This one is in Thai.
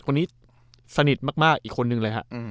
คนนี้สนิทมากอีกคนนึงเลยฮะ